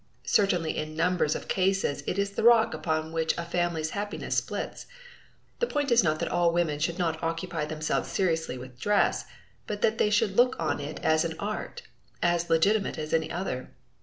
Certainly in numbers of cases it is the rock upon which a family's happiness splits. The point is not at all that women should not occupy themselves seriously with dress, that they should not look on it as an art, as legitimate as any other.